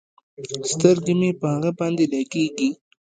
سترګې مې په هغه باندې لګېږي.